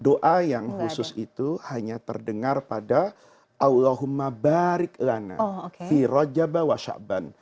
doa yang khusus itu hanya terdengar pada allahumma barik lana fi rajaba wa syakban